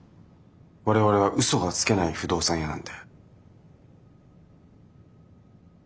我々は嘘がつけない不動産屋なんで。